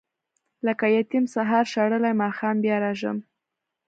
لکه یتیم سهار شړلی ماښام بیا راشم.